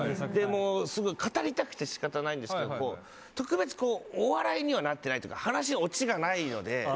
すぐ語りたくて仕方ないんですけど特別お笑いにはなってないというか話にオチがないので。